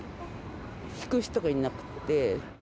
弾く人がいなくて。